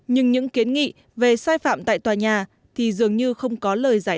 nhưng những kiến nghị về sai phạm tại tòa nhà thì dường như không có lời giải